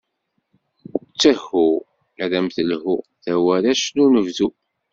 Ttehhu, ad am-telhu, tawaract n unebdu.